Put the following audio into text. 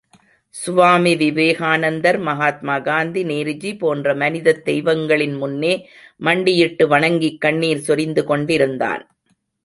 சுவாமி விவேகானந்தர், மகாத்மா காந்தி, நேருஜி போன்ற மனிதத் தெய்வங்களின் முன்னே மண்டியிட்டு வணங்கிக் கண்ணீர் சொரிந்துகொண்டிருந்தான்!